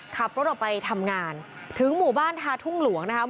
ขับรถออกไปทำงานถึงหมู่บ้านทาทุ่งหลวงนะครับ